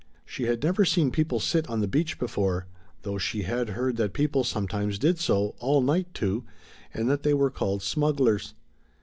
She had never seen people sit on the beach before, though she had heard that people sometimes did so, all night, too, and that they were called smugglers.